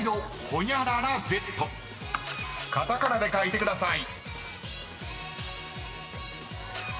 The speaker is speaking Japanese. ［カタカナで書いてください］